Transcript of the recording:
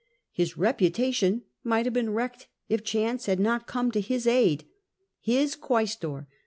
His reputation might have been wrecked if chance had not come in to his aid. His quaestor, L.